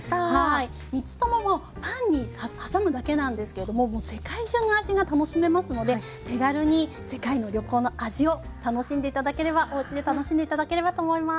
３つとももうパンに挟むだけなんですけれどももう世界中の味が楽しめますので手軽に世界の旅行の味を楽しんで頂ければおうちで楽しんで頂ければと思います。